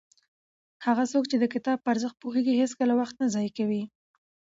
هغه څوک چې د کتاب په ارزښت پوهېږي هېڅکله وخت نه ضایع کوي.